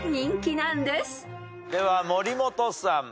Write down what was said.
では森本さん。